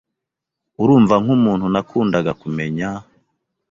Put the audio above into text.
Urumva nkumuntu nakundaga kumenya.